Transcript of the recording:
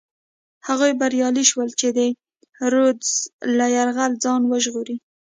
هغوی بریالي شول چې د رودز له یرغله ځان وژغوري.